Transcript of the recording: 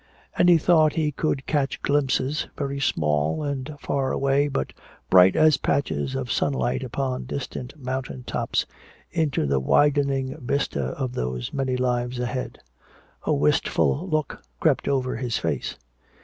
And he thought he could catch glimpses, very small and far away but bright as patches of sunlight upon distant mountain tops, into the widening vista of those many lives ahead. A wistful look crept over his face.